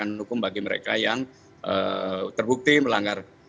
penegakan hukum bagi mereka yang terbukti melanggar